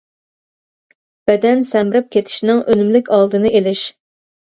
بەدەن سەمرىپ كېتىشنىڭ ئۈنۈملۈك ئالدىنى ئېلىش.